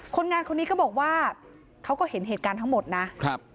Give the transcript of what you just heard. คนงานคนนี้ก็บอกว่าเขาก็เห็นเหตุการณ์ทั้งหมดนะครับ